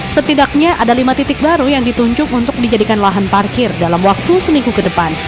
setidaknya ada lima titik baru yang ditunjuk untuk dijadikan lahan parkir dalam waktu seminggu ke depan